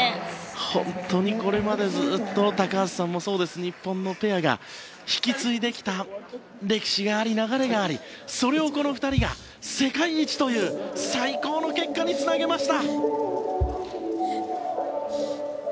本当にこれまでずっと高橋さんもそうですが日本のペアが引き継いできた歴史流れがありそれをこの２人が世界一という最高の結果につなげました。